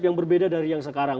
yang berbeda dari yang sekarang